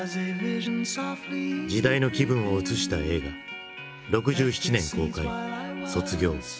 時代の気分を映した映画６７年公開「卒業」。